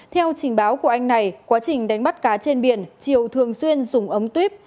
theo trình báo của anh này quá trình đánh bắt cá trên biển triều thường xuyên dùng ống tuyếp